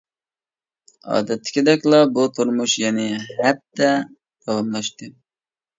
ئادەتتىكىدەكلا بۇ تۇرمۇش يەنە ھەپتە داۋاملاشتى.